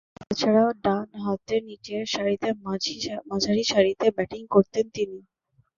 এছাড়াও, ডানহাতে নিচেরসারিতে মাঝারিসারিতে ব্যাটিং করতেন তিনি।